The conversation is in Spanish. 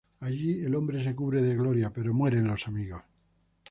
Allí el hombre se cubre de gloria, pero mueren los amigos.